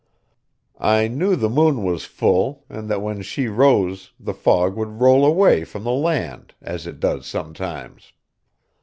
I knew the moon was full, and that when she rose the fog would roll away from the land, as it does sometimes.